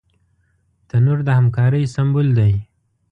تنور د همکارۍ سمبول دی